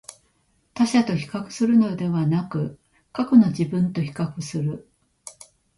他者と比較するのではなく、過去の自分と比較する